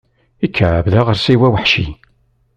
Ikεeb d aɣersiw aweḥci.